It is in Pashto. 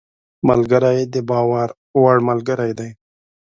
ملګری د باور وړ ملګری دی